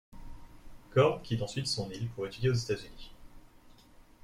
Coard quitte ensuite son île pour étudier aux États-Unis.